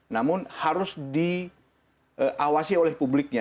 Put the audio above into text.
namun harus diawasi oleh publiknya